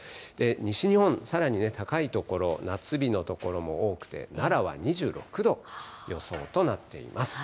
西日本、さらに高い所、夏日の所も多くて、奈良は２６度予想となっています。